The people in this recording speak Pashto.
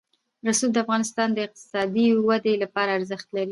رسوب د افغانستان د اقتصادي ودې لپاره ارزښت لري.